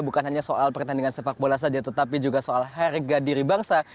bukan hanya soal pertandingan sepak bola saja tetapi juga soal harga diri bangsa